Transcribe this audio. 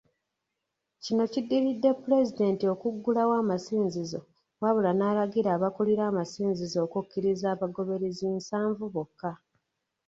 Kino kiddiridde Pulezidenti okuggulawo amasinzizo wabula n'alagira abakulira amasinzizo okukkiriza abagoberezi nsanvu bokka.